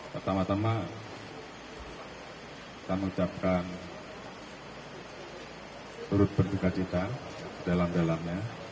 pertama tama kami ucapkan turut berduka cita dalam dalamnya